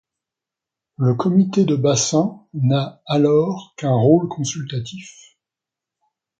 Le comité de bassin n'a alors qu'un rôle consultatif.